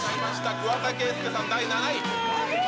桑田佳祐さん、第７位。